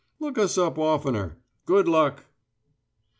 Look us up oftener. Good luck!"